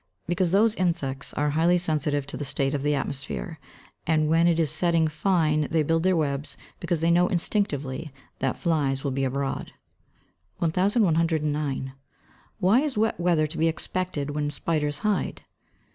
_ Because those insects are highly sensitive to the state of the atmosphere, and when it is setting fine they build their webs, because they know instinctively that flies will be abroad. 1109. _Why is wet weather to be expected when spiders hide?